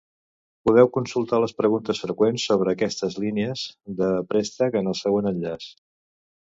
Podeu consultar les preguntes freqüents sobre aquestes línies de préstec en el següent enllaç.